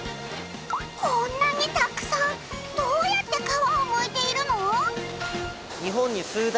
こんなにたくさんどうやって皮をむいているの？